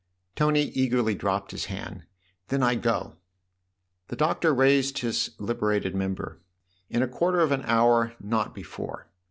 Tony eagerly dropped his hand. "Then I go!" " The Doctor raised his liberated member. " In a quarter of an hour not before.